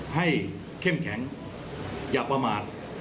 เข้มแข็งอย่าประมาท